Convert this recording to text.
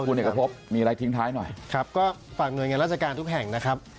คุณเอกพบมีอะไรทิ้งท้ายหน่อยครับก็ฝากหน่วยงานราชการทุกแห่งนะครับ